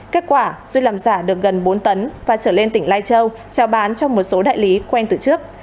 kết quả duy làm giả được gần bốn tấn và trở lên tỉnh lai châu trao bán cho một số đại lý quen từ trước